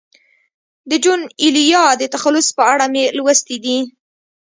د جون ایلیا د تخلص په اړه مې لوستي دي.